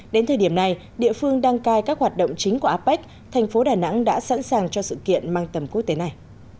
đến thời điểm này địa phương đăng cai các hoạt động chính của apec thành phố đà nẵng đã sẵn sàng cho sự kiện mang tầm quốc tế này